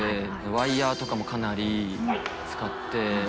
ワイヤとかもかなり使って。